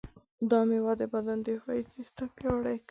دا مېوه د بدن دفاعي سیستم پیاوړی کوي.